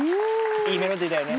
いいメロディーだよね。